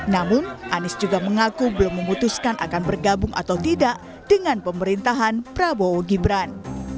namun anies juga mengaku belum memutuskan akan bergabung atau tidak dengan pemerintahan prabowo gibran